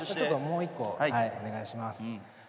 もう一個お願いします。